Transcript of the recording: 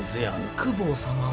公方様は。